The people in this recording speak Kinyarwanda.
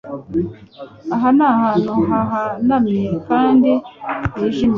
Aha ni ahantu hahanamye kandi hijimye